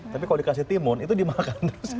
tapi kalau dikasih timun itu dimakan terus